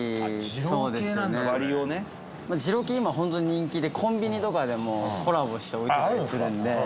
白濱：二郎系、今、本当に人気でコンビニとかでもコラボして置いてたりするんで。